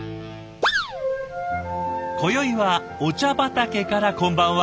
今宵はお茶畑からこんばんは。